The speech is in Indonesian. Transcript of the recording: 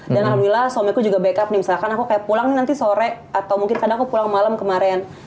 dan alhamdulillah suamiku juga backup nih misalkan aku kayak pulang nih nanti sore atau mungkin kadang aku pulang malam kemarin